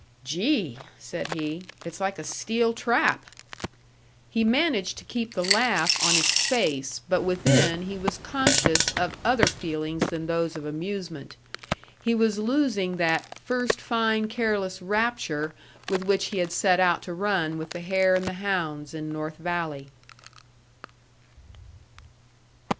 "Gee!" said he. "It's like a steel trap!" He managed to keep the laugh on his face, but within he was conscious of other feelings than those of amusement. He was losing that "first fine careless rapture" with which he had set out to run with the hare and the hounds in North Valley!